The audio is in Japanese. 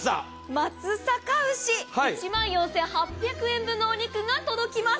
松阪肉牛、１万４８００円分のお肉が届きます。